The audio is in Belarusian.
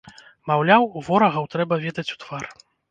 Маўляў, ворагаў трэба ведаць у твар!